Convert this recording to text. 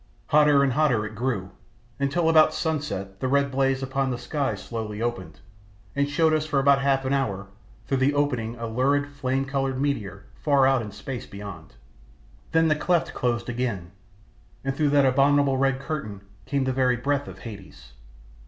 Hotter and hotter it grew, until about sunset the red blaze upon the sky slowly opened, and showed us for about half an hour, through the opening a lurid, flame coloured meteor far out in space beyond; then the cleft closed again, and through that abominable red curtain came the very breath of Hades.